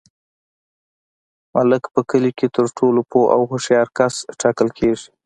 ملک په کلي کي تر ټولو پوه او هوښیار کس ټاکل کیږي.